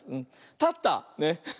たった。ね。